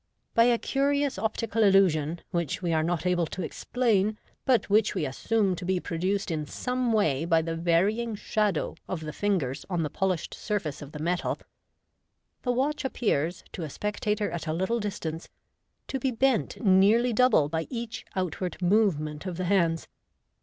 By a curious MODERN MAGIC. 215 optical illusion, which we are not able to 1 xplain, but which we assume to be produced in some way by the varying shadow of the ringers on the pol ished surface of the metal, the watch ap pears, to a spectator at a little distance, to be bent nearly double by each out ward movement of the hands.